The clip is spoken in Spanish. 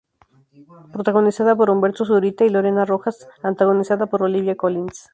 Protagonizada por Humberto Zurita y Lorena Rojas, antagonizada por Olivia Collins.